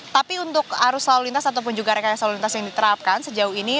tapi untuk arus lalu lintas ataupun juga rekayasa lalu lintas yang diterapkan sejauh ini